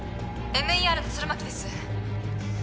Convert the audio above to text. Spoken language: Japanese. ＭＥＲの弦巻です